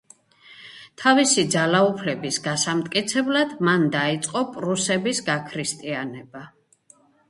თავისი ძალაუფლების გასამტკიცებლად მან დაიწყო პრუსების გაქრისტიანება.